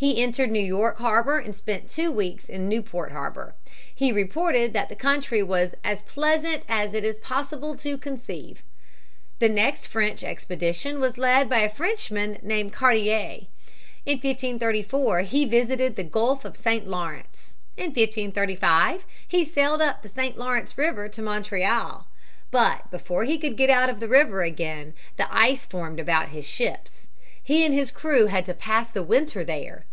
He entered New York harbor and spent two weeks in Newport harbor. He reported that the country was "as pleasant as it is possible to conceive." The next French expedition was led by a Frenchman named Cartier (Kar' tya'). In 1534 he visited the Gulf of St. Lawrence. In 1535 he sailed up the St. Lawrence River to Montreal. But before he could get out of the river again the ice formed about his ships. He and his crew had to pass the winter there.